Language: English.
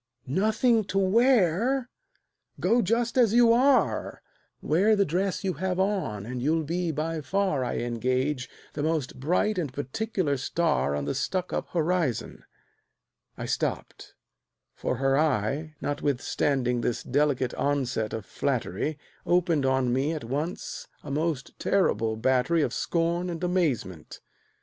"Nothing to wear! Go just as you are; Wear the dress you have on, and you'll be by far, I engage, the most bright and particular star On the Stuckup horizon " I stopped, for her eye, Notwithstanding this delicate onset of flattery, Opened on me at once a most terrible battery Of scorn and amazement.